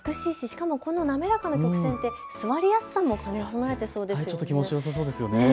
滑らかな曲線って座りやすさも兼ね備えてそうですよね。